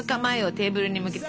テーブルに向けて？